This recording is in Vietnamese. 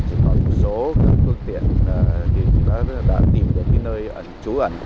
chỉ có một số phương tiện đã tìm được cái nơi ẩn chú ẩn